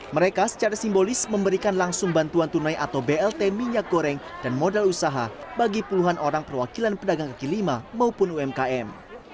mereka secara simbolis memberikan langsung bantuan tunai atau blt minyak goreng dan modal usaha bagi puluhan orang perwakilan pedagang kaki lima maupun umkm